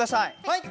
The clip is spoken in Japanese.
はい！